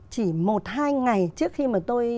chỉ một hai ngày trước khi mà tôi